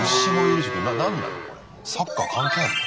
サッカー関係あるの？